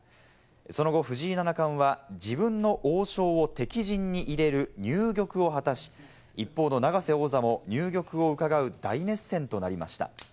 その後、藤井七冠は自分の王将を敵陣に入れる入玉を果たし、一方の永瀬王座も入玉をうかがう大熱戦となりました。